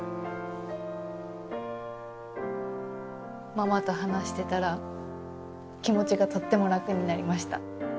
ママと話してたら気持ちがとっても楽になりました。